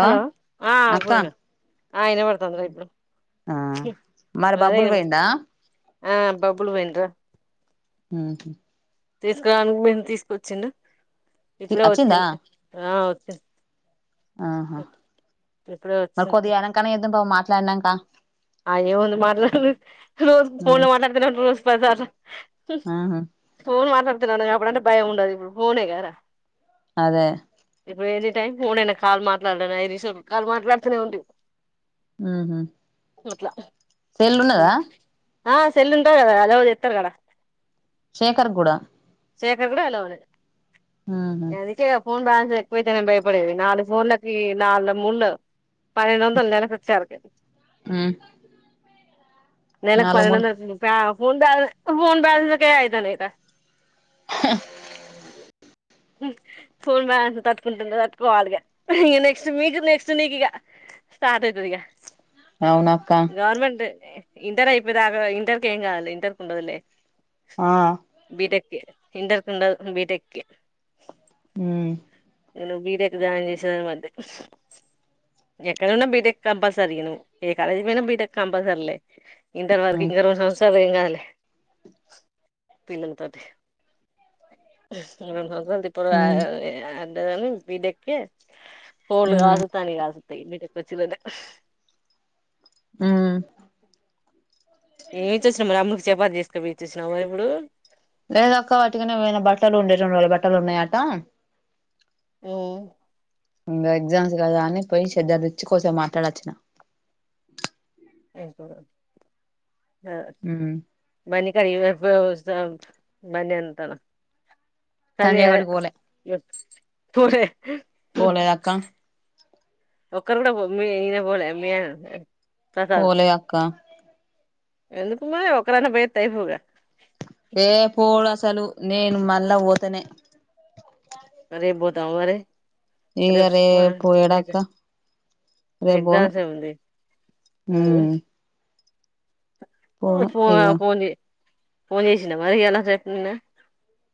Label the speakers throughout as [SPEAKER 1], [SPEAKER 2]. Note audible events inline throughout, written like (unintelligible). [SPEAKER 1] Hello ఆ
[SPEAKER 2] అక్క
[SPEAKER 1] పూర్ణ ఆ వినబడుతుంది రా ఇప్పుడు
[SPEAKER 2] ఆ మరి
[SPEAKER 1] అదే
[SPEAKER 2] బబ్బులు పోయిండా
[SPEAKER 1] ఆ బబ్బులు పోయిండ్రా
[SPEAKER 2] హు
[SPEAKER 1] తీసుకురావడానికి పోయిండు తీసుకొచ్చిడు ఇప్పుడే
[SPEAKER 2] వచ్చిందా
[SPEAKER 1] వచ్చింది ఆ వచ్చింది
[SPEAKER 2] ఆహా
[SPEAKER 1] ఇప్పుడే
[SPEAKER 2] మరి
[SPEAKER 1] వచ్చింది
[SPEAKER 2] కొద్దిగా వెనకనే చేద్దాం పాపం మాట్లాడినాక
[SPEAKER 1] ఆయ ఏముంది మాట్లాడుదు రోజు ఫోన్ లో మాట్లాడుతున్నప్పుడు రోజు బదారు
[SPEAKER 2] ఆహా
[SPEAKER 1] ఫోన్ మాత ఇ ఎప్పుడంటే భయం ఉండదు ఇప్పుడు ఫోనే కదా
[SPEAKER 2] అదే
[SPEAKER 1] ఎ టై క కాల్ మా మాట్లాడాను అఐ నిష కాలు మాట్లాడుతూనే ఉండి
[SPEAKER 2] ఆా
[SPEAKER 1] మల
[SPEAKER 2] తెల్న్నదా
[SPEAKER 1] ఆ సెల్న్ తదా అదోదు ఎత్తారు కడ
[SPEAKER 2] శేఖర్గూడ
[SPEAKER 1] సేఖర్ కూడా ఎలా ఉలే
[SPEAKER 2] ఉహు
[SPEAKER 1] ఎందుకేక పోూన్ బా కువతేనే భయ పడేవి నాలు ఫోన్ల ఈ నాలు మూన్ను పనినందొలాల సచ్చరకదు
[SPEAKER 2] ఉమ్
[SPEAKER 1] నెలలకు
[SPEAKER 2] నాలుగు మూలు
[SPEAKER 1] పదిొందంది ప హ బా హోన్ బ్యాల్సక అయితేనేద
[SPEAKER 2] (unintelligible)
[SPEAKER 1] సోన్ మ్యాంత తట్టుకుంటుంద తట్టుకోవాలిగా ఇక నెక్స్ట్ మీకు నెక్స్ట్ నీకు ఇకా స్టార్ట్ అయితుందికా
[SPEAKER 2] అవునక్క
[SPEAKER 1] గవర్నమెంట్ ఇంటర్ అయిపోయి దాకా ఇంటర్కి ఏం కావాలి ఇంటర్ కు ఉండదులే
[SPEAKER 2] ఆ
[SPEAKER 1] బీటెక్కి ఇంటర్కి ఉండదు బీటెక్ కి
[SPEAKER 2] హ్మ్
[SPEAKER 1] నువ్ బీటెక్ జాయిన్ చె ఎక్కడ ఉన్నా బీటెక్ కంపల్సరీను ఏ కాలేజీ పోయినా బీటెక్ కంపల్సరీ లే ఇంటర్ వరకు
[SPEAKER 2] ఉమ్
[SPEAKER 1] ఇంక ఇరవైసం సరే ఏంకాదులే పిల్లలతోటి (unintelligible) బీటెక్ ఏ ఫోన్లు
[SPEAKER 2] ఉమ్
[SPEAKER 1] కాదు తాని కాదు (unintelligible)
[SPEAKER 2] హ్మ్
[SPEAKER 1] ఏం చేశిరం రమ్ము చపాతీ చేసుకొపోయి ఇచ్చుచిన్నావా ఇప్పుడు
[SPEAKER 2] లేదఅక్క వట్టి గానే పోయినా బట్టలుండే రెండు రోజుల బట్ ట్టలున్నయట
[SPEAKER 1] ఒవ్
[SPEAKER 2] ఇంగా ఎగ్జామ్స్ కదా అని పోయి చద్దర్ ఇచ్చి కొసేపు మాట్లాడచ్చినా
[SPEAKER 1] ఏంటో రాద్ (unintelligible)
[SPEAKER 2] ఉమ్
[SPEAKER 1] బండి ఎంతనా
[SPEAKER 2] సంజయ్ గాడికి పోలే
[SPEAKER 1] (unintelligible)
[SPEAKER 2] పోలేదక్క
[SPEAKER 1] ఒకరు కూడా పోలే మీ ఈయన పోలే మీ ఆయన ప్రసాద్
[SPEAKER 2] పోలే అక్క
[SPEAKER 1] ఎందుకు మరి ఒకరైనా పొయ్యొత్తే అయిపోగా
[SPEAKER 2] ఏ పోడు అసలు నేను మళ్ళా పోతనే
[SPEAKER 1] రేప్ పోత్ టావ్ మరి
[SPEAKER 2] ఇగ రేపు ఏడక్క రేప్పోను
[SPEAKER 1] ఎగ్జామ్స్ ఏముంది
[SPEAKER 2] ఊ
[SPEAKER 1] ఫోనా ఫోన్ జే పోన్ చేసిండా మరి ఈయ్యాల రేపు నిన్న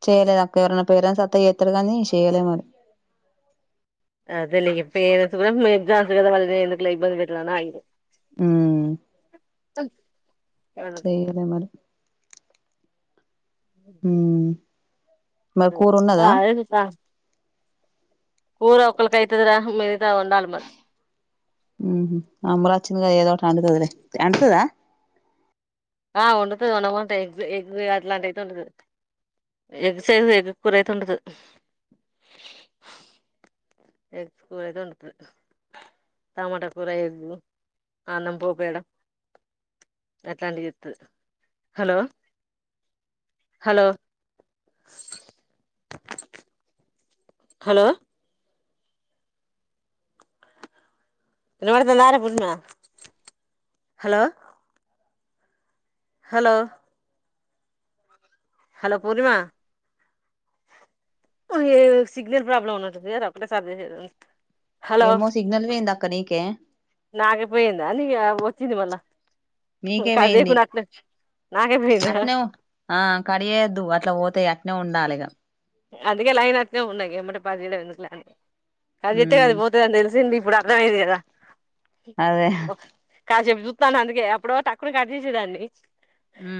[SPEAKER 2] చేయలేదక్క ఎవరైనా పేరెంట్స్ వత్తే చేస్తారు గాని చేయలే మరి
[SPEAKER 1] అదేలే ఇగ పేరెంట్స్ కూడా ఎగ్జామ్స్ కదా వాళ్ళునీ ఎందుకులే ఇబ్బంది పెట్టడం ఆగి (inaudible)
[SPEAKER 2] ఊ
[SPEAKER 1] అగ్
[SPEAKER 2] చేయలే మరి ఊ
[SPEAKER 1] ఆ అది తా కూర ఒక్కళ్ళకైతుదిరా మిగతా వండాలి మరి
[SPEAKER 2] ఊహూ అమరా అచ్చింది గా ఏదోకటి అండుతదిలే అండుతదా
[SPEAKER 1] ఆ వండుతది వండమంటే ఎగ్గు అట్లాంటియితే ఉండదు ఎగ్ సైజ్ ఎగ్ కూరైతే అండుతది హలో హలో హలో వినపడుతుందా రా పూర్మ హలో హలో పూర్ణిమా ఇదేదో సిగ్నల్ ప్రాబ్లమ్ ఉన్నట్టుందిగా రప్టే సారి (unintelligible) హలో
[SPEAKER 2] ఏమో సిగ్నల్ పోయింది అక్క నీకే
[SPEAKER 1] నాగబోయిందా నీక (unintelligible) వచ్చింది ఇవళ్ళా
[SPEAKER 2] మీకే మయింది
[SPEAKER 1] నాకే పోయిందా
[SPEAKER 2] అట్నే ఆ కడిగేయోద్దు అట్లా పోతాయి అట్ ట్నే ఉండాలిగా
[SPEAKER 1] అదికే లైన్ అట్నే ఉన్నా ఇగ ఎమ్మటే బంజేయటం ఎందుకులే అని కట్ చెప్తే
[SPEAKER 2] ఉమ్
[SPEAKER 1] అది పోతుందిని తెలిసింది ఇప్పుడు అర్థమైది కదా
[SPEAKER 2] అదే
[SPEAKER 1] కా చెపు చు స్తాను అందుకే అప్పుడో టక్కున కట్ చేసే దాన్ని
[SPEAKER 2] హు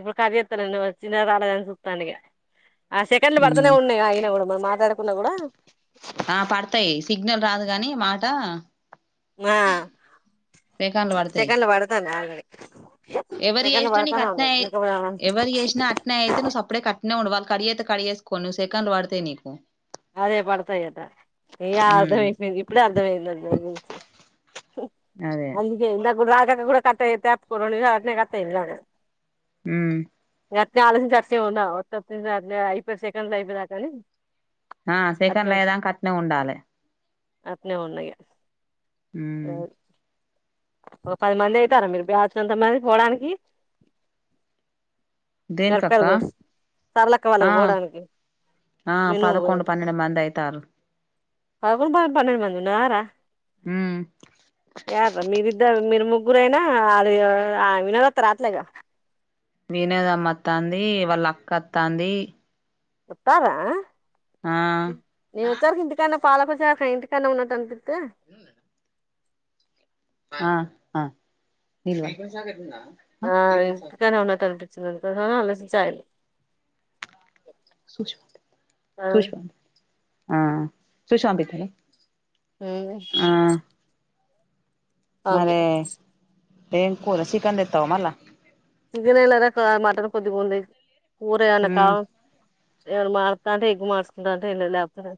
[SPEAKER 1] ఇప్పుడు కట్ చేతలేను వచ్చిందా రాలేదా అని సూత్తంన ఇగ అస్ కండ్లు పడుతనే
[SPEAKER 2] ఉమ్
[SPEAKER 1] ఉన్నాయి ఆగిన గూడం మ మాట్లా
[SPEAKER 2] ఆ పడతాయి సిగ్నల్ రాదు గాని మాట
[SPEAKER 1] ఆ
[SPEAKER 2] సెకండ్లు
[SPEAKER 1] సెకండ్లు పడతనాయి ఆల్రెడీ
[SPEAKER 2] ఎవరి
[SPEAKER 1] సెకండ్లు
[SPEAKER 2] చేసినా నీకు
[SPEAKER 1] పడతానే
[SPEAKER 2] కట్నే
[SPEAKER 1] ఉన్నాయి ఇంకా
[SPEAKER 2] ఎవరు చేసినా అట్నే అయితే నువ్ సప్పుడే కట్నే ఉండు వా కడ్ చేతే కట్ వేసుకోని ను సేకండ్లు వడతాయి నిీకు
[SPEAKER 1] అదే పడతాయిద ఇగ
[SPEAKER 2] ఉమ్
[SPEAKER 1] అర్థమయిపోయింది ఇప్పుడే అర్థమయింది ద
[SPEAKER 2] అదే
[SPEAKER 1] అందుకే నాకు రా కూడా కట్టాయితే రేడు అట్నే కట్టాఇంది నాకు
[SPEAKER 2] హు
[SPEAKER 1] అట్నే ఆలోచ్చించి అట్నే ఉన్నా ఓతే ఒత్తయి సెకండ్స్ అయిపోయేదాకా అని
[SPEAKER 2] ఆ
[SPEAKER 1] అట్నే
[SPEAKER 2] సేకండ్లు అయ్యే దాక అట్నే ఉండాలే
[SPEAKER 1] అట్నే ఉన్న ఇగ
[SPEAKER 2] హు
[SPEAKER 1] ఒక పది మంది అయితారా మీరు బ్యాచ్ కి ఎంత మంది పోడానికి
[SPEAKER 2] దేనికక్క
[SPEAKER 1] సరళక్క వాళ్ళకి
[SPEAKER 2] ఆ
[SPEAKER 1] పోవడానికి
[SPEAKER 2] ఆ
[SPEAKER 1] మీ నువ్వు
[SPEAKER 2] పదకొండు పన్నెండు మంది అవుతార్రు
[SPEAKER 1] పదకొండు పన్నెడు మంది ఉన్నారరా
[SPEAKER 2] హు
[SPEAKER 1] మీరిద్దరు మీరు ముగ్గురయినా అది వినోదాత రాట్లేగా
[SPEAKER 2] వినోదమ్మ వతాంది వాళ్ళ అక్క వతాంది
[SPEAKER 1] వాతర్ర నిను వచ్చార్క్ ఇంటికాన్నే పాాలకుశక్క ఇంటికాన్నే ఉన్నట్టు అనిపి తే
[SPEAKER 2] ఆ ఆ
[SPEAKER 1] ఆ ఇంటికాన్నే ఉన్నట్టు అనిపి చ్చింది అందుకోసమే ఆలోచ్చించి
[SPEAKER 2] సూష్ సూష్ ఆ సుష్ాపతలే
[SPEAKER 1] అ అ
[SPEAKER 2] మరే ఏం కూర చికన్ ఇత్తావా మళ్ళా
[SPEAKER 1] ఇగనేలారా మాటన్ కొద్కుంద ఊరనకా
[SPEAKER 2] మ్మ్
[SPEAKER 1] ఎవడ మారుతా అంటే ఎగకు మార్చుకుంటా అంటే ఎ లేపుతన్నా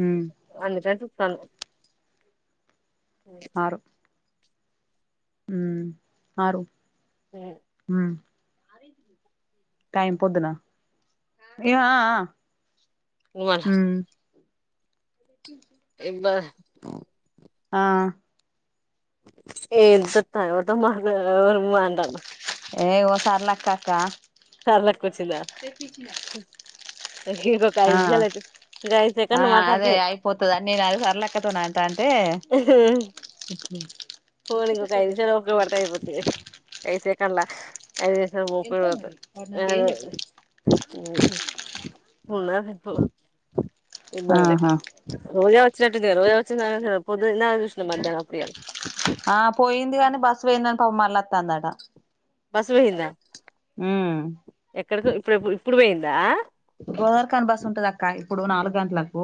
[SPEAKER 2] మ్మ్
[SPEAKER 1] అన్న సను
[SPEAKER 2] ఆరు ఆరు హ టై పొద్దనా ఏ హ
[SPEAKER 1] మళ్ళ
[SPEAKER 2] అద
[SPEAKER 1] ఇబా
[SPEAKER 2] ఆ
[SPEAKER 1] ఏ తత్తద మ మడాను
[SPEAKER 2] ఏయోసార్లక అక
[SPEAKER 1] చర్ల కు వచిదా ఇక కా
[SPEAKER 2] ఆ
[SPEAKER 1] చాలయితే గై
[SPEAKER 2] ఆ
[SPEAKER 1] సేకన్నా
[SPEAKER 2] అదే
[SPEAKER 1] మాట్తడతాయి
[SPEAKER 2] అయిపోతదని నేను అది సర్లక్కతోని అంటాంటే
[SPEAKER 1] పోోని కయిదు చాల ఒకతాయి ప స కళ అఐస పిరుత
[SPEAKER 2] నా కేం చెప్పలే
[SPEAKER 1] (inaudible) ఇబ్బందే
[SPEAKER 2] ఆహా
[SPEAKER 1] రోజా చెట్టుకే రోజా వచ్చిన పోదునా చూసినం మధ్యానం అపుడే
[SPEAKER 2] ఆ పోయింది కాని బస్ పోయినాకా మళ్ల ఒత్తండంటా
[SPEAKER 1] బస్ పోయిందా
[SPEAKER 2] ఉ
[SPEAKER 1] ఇక్కడ ఇప్పుడు ఇప్పుడు పోయిందా
[SPEAKER 2] రోదార్ ఖాన్ బస్ ఉంటది అక్క ఇప్పుడు నాలుగు గంటలకు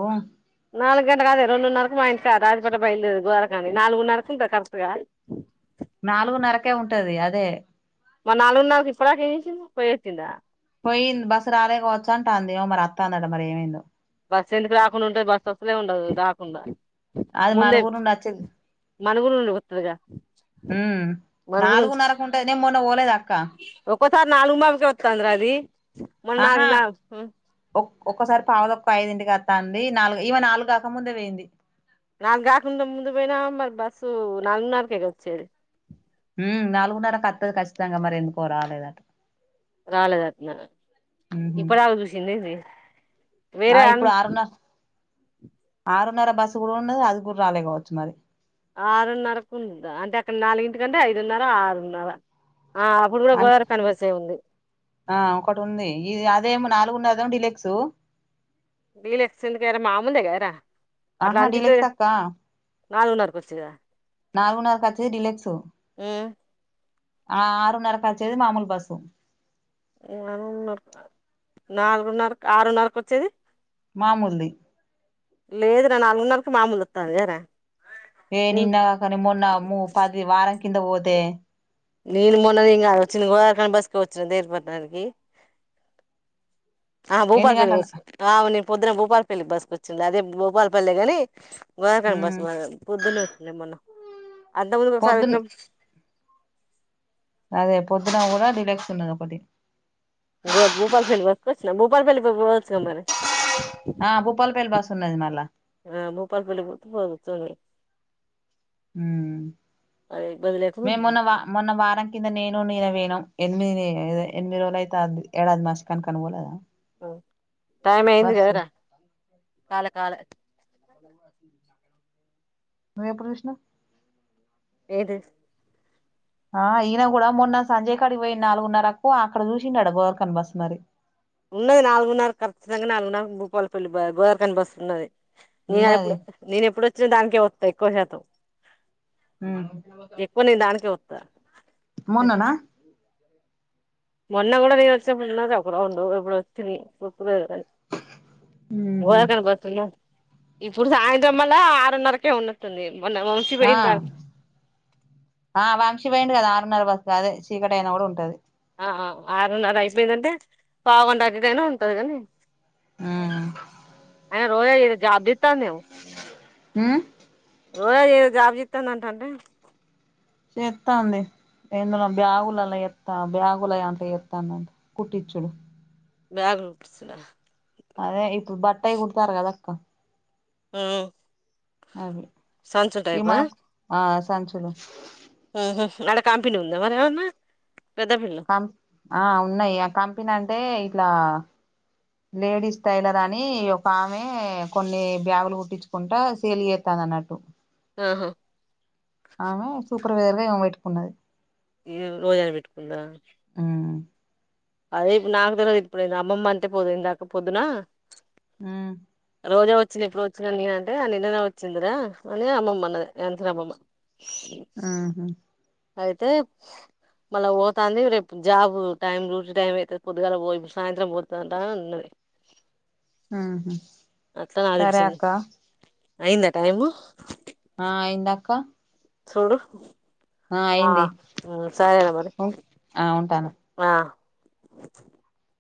[SPEAKER 1] నాలుగు గంట కాదే రెండున్నరకు మా ఇంటికాడ రాజపేట బయలుదేరి గోరాఖంని నాలుగునరకూ కరెక్ట్ కాదు
[SPEAKER 2] నాలుగున్నరకే ఉంటది అదే
[SPEAKER 1] మరి నాలుగున్నరకు ఇప్పటిదాకా ఏం చేసింది పోయియోచిందా
[SPEAKER 2] పోయింది బస్ రాలే గావచ్చాంట అంది ఏమొ మరి అతందంట మరి ఏమైందో
[SPEAKER 1] బస్సు ఎందుకు రాకుండా ఉంటది బస్సు ఒస్తానే ఉండదు రాకుండా
[SPEAKER 2] అది మన ఊరు నుండి వచ్చేది
[SPEAKER 1] మనఊరు నుండి వత్తది గా
[SPEAKER 2] హ్మ్ నాలుగున్నరకు ఉంటది నే మొన్న పోలేదా అక్క
[SPEAKER 1] ఒక సారి నలుగు ఉమ్మ్బావుకే వత్తాది రా అది మొన్న
[SPEAKER 2] ఆహా
[SPEAKER 1] నాలుగు నా
[SPEAKER 2] ఒ ఒక్కసారి పావదక్ పైదింటికి వస్తాండి. నాలుగు ఈమె నాలుగు కాకముందే పోయింది.
[SPEAKER 1] నాలుగుకాక కుండా ముందు పోయినా, మరి బస్సు నాలుగున్నరకేగ వచ్చేది.
[SPEAKER 2] హ్మ్ నాలుగున్నర వత్తది ఖచ్చితంగా మరి ఎందుకో రాలేదంట
[SPEAKER 1] రాలేదంట్నా
[SPEAKER 2] ఉహు
[SPEAKER 1] ఇప్పటిదాకా చూసిందా ఏంది
[SPEAKER 2] ఆ
[SPEAKER 1] వేరే అన్
[SPEAKER 2] ఇప్పుడు ఆరున్న ఆరున్నర బస్సు కూడా ఉన్నది. అది కూడా రాలే కావచ్చు మరి
[SPEAKER 1] ఆరున్నరకు ఉందా అంటే అక్కడ నాలుగింటికంటే ఐదున్నర ఆరున్నర ఆ అప్పుడు కూడా
[SPEAKER 2] అన్
[SPEAKER 1] గోదావరి కనిబస్ ఎ ఉంది
[SPEAKER 2] నాలుగున్నర డిల్లెక్సు
[SPEAKER 1] డిల్లెక్సు ఎందుకు మాములదే కదా రా
[SPEAKER 2] ఆహా డీలక్స్ అక్క
[SPEAKER 1] నాలుగున్నరకు ఒచ్చేదా
[SPEAKER 2] నాలుగున్నరకు కచ్చేది డిలెక్సు
[SPEAKER 1] ఉమ్
[SPEAKER 2] ఆ ఆరున్నరకు వచ్చేది మాముూలు బస్సు
[SPEAKER 1] నాలుగున్నరకు నాలుగున్నరకు ఆరున్నరకు వచ్చేది
[SPEAKER 2] మాములుది
[SPEAKER 1] లేదు రా నాలుగునారకు మామూలుది వత్తద రా
[SPEAKER 2] ఏ నిన్న కని మొన్న అమ్మో పది వారం కిం కింద పోతే
[SPEAKER 1] నీను మొన్న ఇంగ వచ్చి గోర్కండ్ బస్కి వచ్చిన దేరుపట్ననికి ఆ
[SPEAKER 2] ఎన్ని
[SPEAKER 1] భూపాల్ పేరు
[SPEAKER 2] గంటల
[SPEAKER 1] వచ్చిన ఆ అవునే పొద్దున భూపాలపెల్లికి బస్సుకు వచ్చింది అదే భూపాలపల్లి కాని వారనే బస్
[SPEAKER 2] ఉమ్
[SPEAKER 1] పాయ పొద్దున్నే (unintelligible) మొన్న అంత ముందు ఒకసారి
[SPEAKER 2] పొద్దున
[SPEAKER 1] వచ్చినప్పుడు
[SPEAKER 2] అదే పొద్దున కూడా డీలాక్స్ ఉన్నది ఒక్కటి
[SPEAKER 1] గొ బోపాల్పెళ్ళి బస్కొచ్చిన బోపాలు పెళ్ళి బ బ పోవచ్చు గా మరి
[SPEAKER 2] తున్నది మల్లా
[SPEAKER 1] ఆ బూపాల్ పెళ్లి పోతే వచ్చింది
[SPEAKER 2] ఊ
[SPEAKER 1] లేకుండా
[SPEAKER 2] మేం మొన్న
[SPEAKER 1] ఉంటుంది
[SPEAKER 2] వా మొన్న వారం కింద నేను నీర పొయినం ఎనిమి ఎనిమిది రోలైతాంది (inaudible) కన్నా పోలేదా
[SPEAKER 1] ఓ టైమ్ అయింది
[SPEAKER 2] బస్సు
[SPEAKER 1] గదరా కాల కాలే
[SPEAKER 2] నువ్ ఎప్పుడు జూషినవ్
[SPEAKER 1] ఏదు
[SPEAKER 2] ఆ ఈయన కూడా మొన్న సంజయ్ కాడికి పోయిన నాలుగున్నరకు అక్కడ చూసింటాడు గోర్ఖన్ బస్ మరి
[SPEAKER 1] ఉన్నది నాలుగున్నరకు ఖచ్చితంగా నాలుగున్నరకు భూపాలపల్లి బస్ గోదార్ఖడ్ బస్ ఉన్నది న
[SPEAKER 2] ఉన్నది
[SPEAKER 1] ఎప్పుడు నేను ఎప్పుడు దానికే వస్తాయి ఎక్కువ శాతం
[SPEAKER 2] హు
[SPEAKER 1] స
[SPEAKER 2] మొన్ననా
[SPEAKER 1] మొన్న కూడా నేను వచ్చేప్పుడున్న ఒక ర ఉండు ఇప్పుడు వచ్చి
[SPEAKER 2] ఉహు
[SPEAKER 1] వాక బత్రన్నా ఇప్పుడు సాయంత్రంమళ ఆరున్నరకే ఉన్నతుంది
[SPEAKER 2] ఆ ఆ వాంక్షి పోయిం కదా ఆరున్నర బస అదే చీకటి అయినా కూడా ఉంటది
[SPEAKER 1] ఆ ఆరున్నర అయిపోయిందంటే బాగుం అతిదైనా ఉంటది కాని
[SPEAKER 2] ఆ
[SPEAKER 1] ఎ రోయ జబ్ద తనేవు
[SPEAKER 2] ఆ
[SPEAKER 1] రోజ ఏదో జాబ్ు చెత్తాందంట అంటే
[SPEAKER 2] చెత్తాంది ఎందులో బ్యాగులలా ఎత్తా బ్యాగుల అంత ఎత్తానుడి కుట్టిచ్చుడు
[SPEAKER 1] బ్యాగ్ ఉపిసిన
[SPEAKER 2] అదే ఇ బట్టాయి కుడుతారుగా ధక్క
[SPEAKER 1] అ
[SPEAKER 2] అే
[SPEAKER 1] సంచు టైపా
[SPEAKER 2] సంచులు
[SPEAKER 1] ఆహా ఆడ కంపెనీ ఉందా మరి ఎమన్నా,
[SPEAKER 2] కం ఆ ఉన్నాయి ఆ కంపిని అంటే ఇట్లా లేడీస్ టైలర్ అని ఒక ఆమె కొన్ని బ్యాగులు కుట్టించుకుంటా సేల్ చేత్తాంది అన్నట్టు.
[SPEAKER 1] ఆహా
[SPEAKER 2] ఆమె సూపర్వైజర్ గా ఇమెను పెట్టుకున్నది.
[SPEAKER 1] ఏ రోజాను పెట్టుకుందా,
[SPEAKER 2] ఉమ్
[SPEAKER 1] అదే ఇప్పుడు నాకు తెలివది ఇప్పుడు అమ్మమ్మ అంటే పోద్ ఇందాక పొద్దునా
[SPEAKER 2] ఆ
[SPEAKER 1] రోజా వచ్చింది ఎప్పుడు వచ్చిన్దండి అంటే ఆ నిన్ననే వచ్చిందిరా అని అమ్మమ్మ అన్నది జ్ఞాన శ్రీ అమ్మమ్మ
[SPEAKER 2] ఆహా
[SPEAKER 1] అయితే మళ్ళా పోతాంది రేపు జాబు టైం డూటీ టైం అయితే పొద్దుగాల పోదు సాయంత్రం పోతదటా అన్నది.
[SPEAKER 2] ఆహా
[SPEAKER 1] అట్లా నాకు
[SPEAKER 2] సరే
[SPEAKER 1] తెలిసింది
[SPEAKER 2] అక్క.
[SPEAKER 1] అయిందా టైమూ.
[SPEAKER 2] ఆ అయింది అక్క.
[SPEAKER 1] సూడు. ఆ సరేరా మరి.
[SPEAKER 2] ఉం ఆ ఉంటాను
[SPEAKER 1] ఆ